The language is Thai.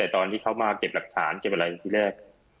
ตอนที่เขามาเก็บหลักฐานเก็บอะไรที่แรก